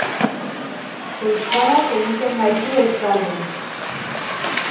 Euskarak egiten gaitu euskaldun.